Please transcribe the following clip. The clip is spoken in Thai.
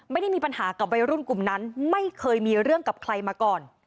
ไม่ได้มีปัญหากับวัยรุ่นกลุ่มนั้นไม่เคยมีเรื่องกับใครมาก่อน